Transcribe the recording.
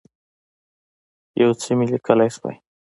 یو څه مي لیکلای شوای.